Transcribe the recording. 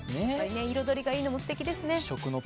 彩りがいいのもすてきですね。